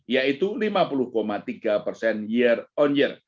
yaitu lima puluh tiga tahun ke depan